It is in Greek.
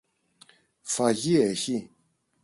Φαγί έχει;